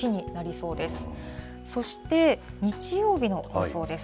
そして、日曜日の予想です。